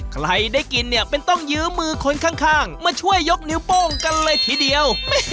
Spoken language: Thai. ใครได้กินเนี่ยเป็นต้องยื้อมือคนข้างมาช่วยยกนิ้วโป้งกันเลยทีเดียว